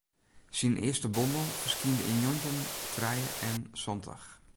Syn earste bondel ferskynde yn njoggentjin trije en santich.